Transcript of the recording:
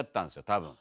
多分。